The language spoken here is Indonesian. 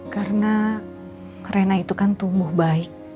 karena rena itu kan tumbuh baik